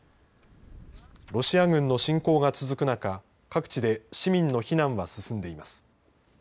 ロシア軍の侵攻が続く中、各地で市民の避難は進んでいます。